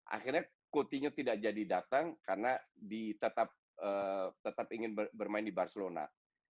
akhirnya coutinho tidak jadi datang karena tetap ingin bermain di barcelona